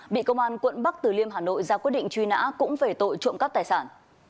bị công an quận bắc từ liêm hà nội ra quyết định truy nã cũng về tội trộm cắp tài sản